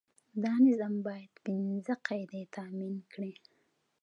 دا نظام باید پنځه قاعدې تامین کړي.